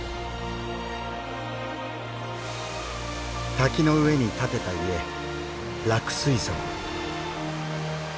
滝の上に建てた家『落水荘』。